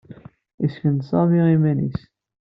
Yessken-d Sami iman-nnes.